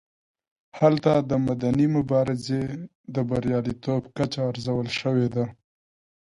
هلته د مدني مبارزې د بریالیتوب کچه ارزول شوې ده.